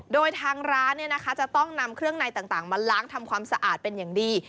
โดยทางร้านจะต้องนำเครื่องในต่างมาล้างทำความสะอาดเป็นอย่างดี